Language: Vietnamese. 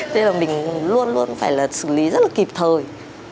nên là mình luôn luôn phải là xử lý rất là kịp thời